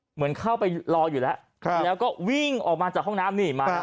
เหมือนเข้าไปรออยู่แล้วแล้วก็วิ่งออกมาจากห้องน้ำนี่มา